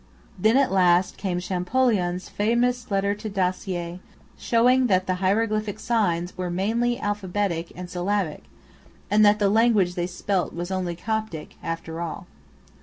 Then at last came Champollion's famous letter to Dacier, showing that the hieroglyphic signs were mainly alphabetic and syllabic, and that the language they spelt was only Coptic after all.